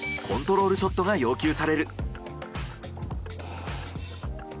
コントロールショットが要求される。